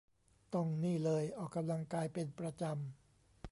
ต้องนี่เลยออกกำลังกายเป็นประจำ